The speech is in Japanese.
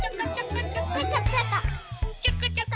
ちょこちょこ。